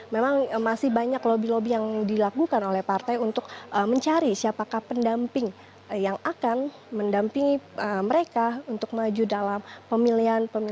memang masih banyak lobby lobby yang dilakukan oleh partai untuk mencari siapakah pendamping yang akan mendampingi mereka untuk maju dalam pemilihan